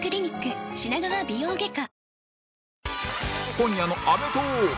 今夜の『アメトーーク』